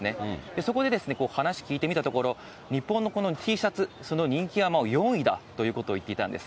そこで話聞いてみたところ、日本のこのＴシャツ、その人気は４位だということを言っていたんです。